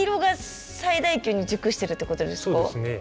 そうですね。